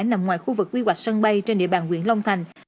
nằm ngoài khu vực quy hoạch sân bay trên địa bàn nguyễn long thành